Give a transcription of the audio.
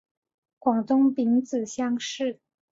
广东丙子乡试。